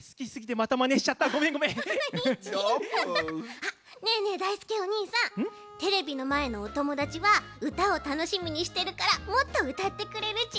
あっねえねえだいすけおにいさんテレビのまえのおともだちはうたをたのしみにしてるからもっとうたってくれるち？